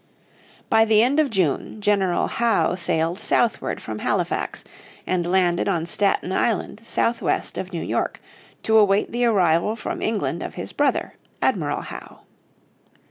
By the end of June General Howe sailed southward from Halifax, and landed on Staten Island southwest of New York, to await the arrival from England of his brother, Admiral Howe.